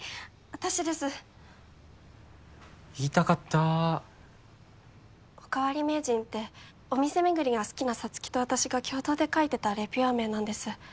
私です言いたかったーおかわり名人ってお店巡りが好きな沙月と私が共同で書いてたレビュアー名なんです